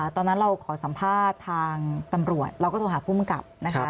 ตอนนั้นเราขอสัมภาษณ์ทางตำรวจเราก็โทรหาภูมิกับนะคะ